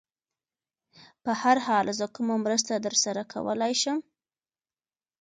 په هر حال، زه کومه مرسته در سره کولای شم؟